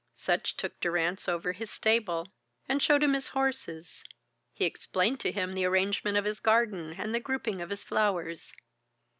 Sutch took Durrance over his stable and showed him his horses, he explained to him the arrangement of his garden and the grouping of his flowers.